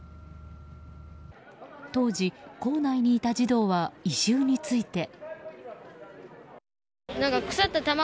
当時、校内にいた児童は異臭について。